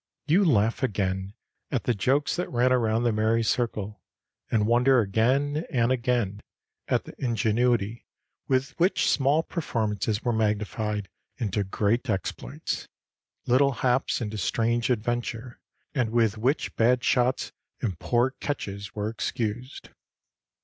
You laugh again at the jokes that ran around that merry circle and wonder again and again at the ingenuity with which small performances were magnified into great exploits, little haps into strange adventure, and with which bad shots and poor catches were excused.